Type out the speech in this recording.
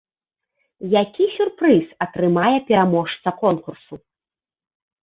Які сюрпрыз атрымае пераможца конкурсу?